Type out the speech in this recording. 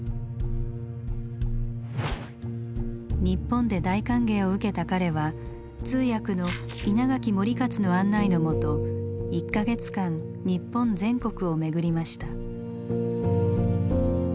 日本で大歓迎を受けた彼は通訳の稲垣守克の案内のもと１か月間日本全国を巡りました。